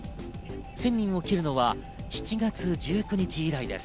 １０００人を切るのは７月１９日以来です。